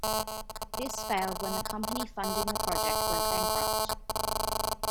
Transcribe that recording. This failed when the company funding the project went bankrupt.